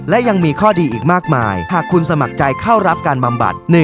และยังมีข้อดีอีกมากมายหากคุณสมัครใจเข้ารับการบำบัด